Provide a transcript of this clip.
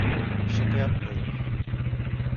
Şaka yapmıyorum.